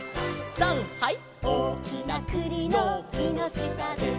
さんはい！